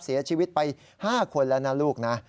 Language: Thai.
เสียชีวิตไป๕คนแล้วนะลูกนะ